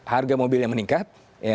harga mobil yang meningkat